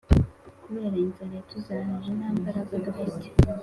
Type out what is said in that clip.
kubera inzara yatuzahaje ntambaraga dufite